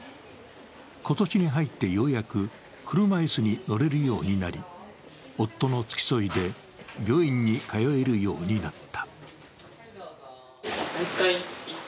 今年に入ってようやく車椅子に乗れるようになり、夫の付き添いで、病院に通えるようになった。